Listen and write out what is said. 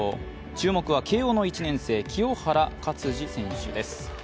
注目は慶応の１年生清原勝児選手です。